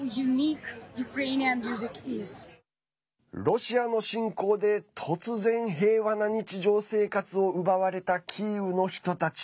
ロシアの侵攻で突然、平和な日常生活を奪われたキーウの人たち。